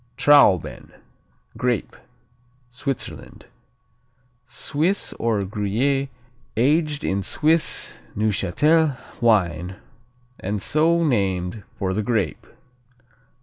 Trauben (Grape) Switzerland Swiss or Gruyère aged in Swiss Neuchâtel wine and so named for the grape.